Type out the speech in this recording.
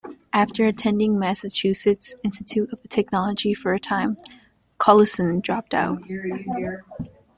After attending Massachusetts Institute of Technology for a time, Collison dropped out.